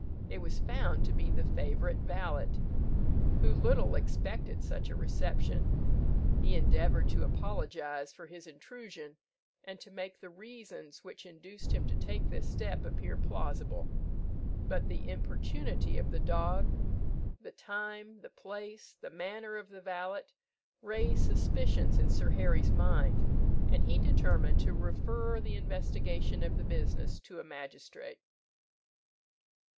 It was found to be the favourite valet, who little expected such a reception. He endeavoured to apologise for his intrusion, and to make the reasons which induced him to take this step appear plausible; but the importunity of the dog, the time, the place, the manner of the valet, raised suspicions in Sir Harry's mind, and he determined to refer the investigation of the business to a magistrate.